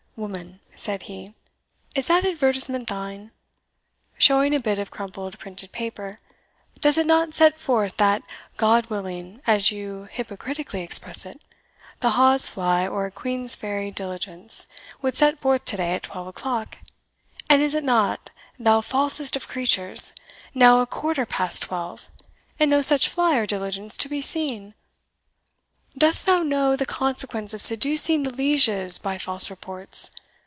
"Woman," said he, "is that advertisement thine?" showing a bit of crumpled printed paper: "Does it not set forth, that, God willing, as you hypocritically express it, the Hawes Fly, or Queensferry Diligence, would set forth to day at twelve o'clock; and is it not, thou falsest of creatures, now a quarter past twelve, and no such fly or diligence to be seen? Dost thou know the consequence of seducing the lieges by false reports?